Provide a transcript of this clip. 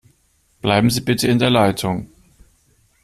Bleiben Sie bitte in der Leitung.